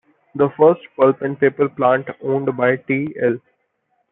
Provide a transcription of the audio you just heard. The first pulp and paper plant, owned by T.-L.